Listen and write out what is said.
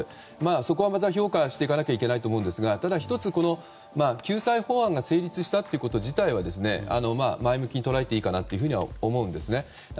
そこは評価していかなければいけないと思いますがただ１つ救済法案が成立したこと自体は前向きに捉えていいかなとは思うんですね。